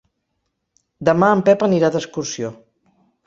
Demà en Pep anirà d'excursió.